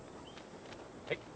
はい。